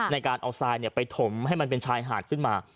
ในการเอาซัยไปถมมาเป็นชายหาดขึ้นมา